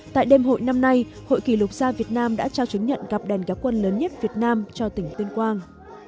tại đêm hội năm nay hội kỳ lục gia việt nam đã trao chứng nhận gặp đèn gác quân lớn nhất việt nam cho tỉnh tuyên quang